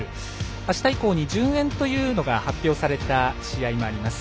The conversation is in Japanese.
あした以降に順延というのが発表された試合もあります。